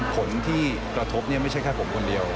ผลที่กระทบเนี่ยไม่ใช่แค่ผมคนเดียว